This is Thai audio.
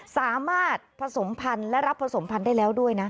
สามารถผสมพันธุ์และรับผสมพันธุ์ได้แล้วด้วยนะ